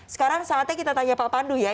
sekarang saatnya kita tanya pak pandu ya